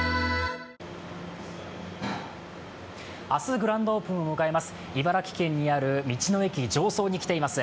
グランドオープンを迎えます、茨城県にある道の駅常総に来ています。